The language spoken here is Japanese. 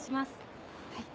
はい。